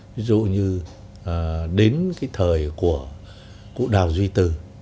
ví dụ như đến cái thời của cụ đào duy từ